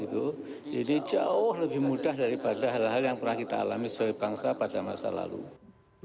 jauh lebih mudah daripada hal hal yang pernah kita alami sebagai bangsa pada masa lalu